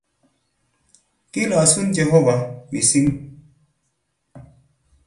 Kilosun. Jehovah. mising'.